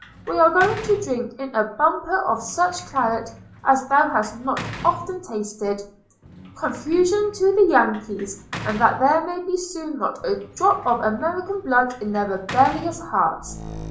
We are going to drink, in a bumper of such claret as thou hast not often tasted, Confusion to the Yankies, and that there may soon be not a drop of American blood in their rebellious hearts!